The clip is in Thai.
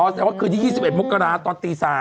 แสดงว่าคืนที่๒๑มกราตอนตี๓